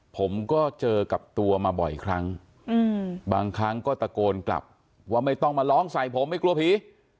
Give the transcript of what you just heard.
ผมก็เจอกับตัวมาบ่อยครั้งบางครั้งก็ตะโกนกลับว่าไม่ต้องมาร้องใส่ผมไม่กลัวผี